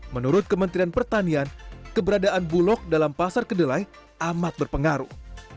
menurut kementerian pertanian keberadaan bulog dalam pasar kedelai amat berpengaruh